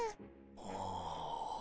ああ。